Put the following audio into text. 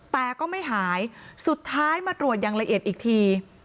แต่ก็ไม่หายสุดท้ายมาตรวจอย่างละเอียดอีกที